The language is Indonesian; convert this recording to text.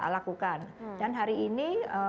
lakukan dan hari ini